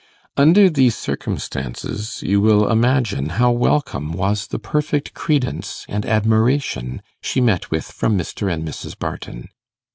Under these circumstances, you will imagine how welcome was the perfect credence and admiration she met with from Mr. and Mrs. Barton.